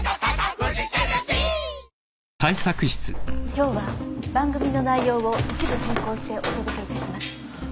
今日は番組の内容を一部変更してお届けいたします。